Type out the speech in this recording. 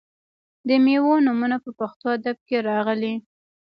د میوو نومونه په پښتو ادب کې راغلي.